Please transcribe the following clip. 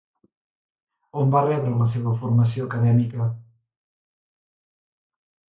On va rebre la seva formació acadèmica?